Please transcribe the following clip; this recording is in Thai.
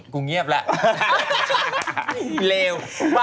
กูเงียบแล้ว